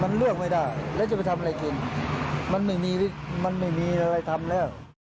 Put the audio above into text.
มันเลือกไม่ได้แล้วจะไปทำอะไรกินมันไม่มีมันไม่มีอะไรทำแล้ว